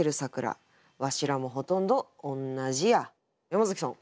山崎さん